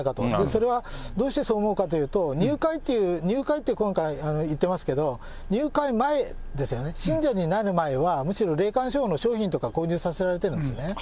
それはどうしてそう思うかというと、入会っていう、入会って今回、言ってますけど、入会前ですよね、信者になる前は、むしろ霊感商法の商品とかを購入させられてるんですよね。